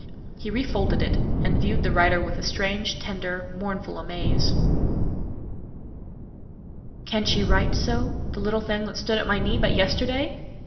He re folded it, and viewed the writer with a strange, tender, mournful amaze. "Can she write so—the little thing that stood at my knee but yesterday?